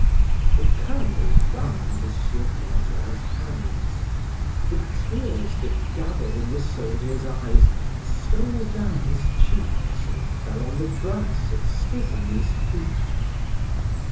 The colonel wrung M. Fanjat's hands; the tears that gathered in the soldier's eyes stole down his cheeks, and fell on the grass at Stephanie's feet.